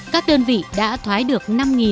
các đơn vị đã thoái được